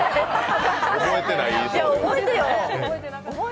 覚えててよ。